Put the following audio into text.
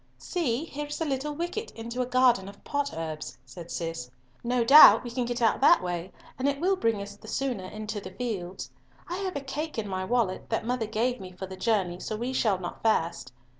"See, here's a little wicket into a garden of pot herbs," said Cis. "No doubt we can get out that way, and it will bring us the sooner into the fields. I have a cake in my wallet that mother gave me for the journey, so we shall not fast.